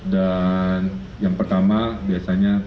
dan yang pertama biasanya